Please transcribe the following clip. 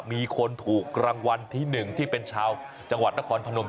มีคนถูกรางวัลที่๑ที่เป็นชาวจังหวัดนครพนม